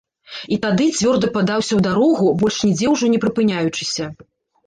І тады цвёрда падаўся ў дарогу, больш нідзе ўжо не прыпыняючыся.